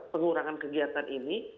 pengurangan kegiatan ini